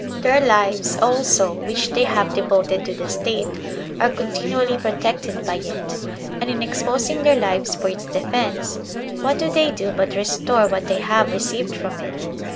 Their lives, also, which they have devoted to the State, are continually protected by it; and in exposing their lives for its de fense, what do they do but restore what they have received from it